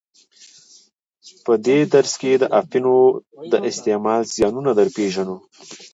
په دې درس کې د اپینو د استعمال زیانونه در پیژنو.